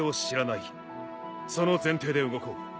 その前提で動こう。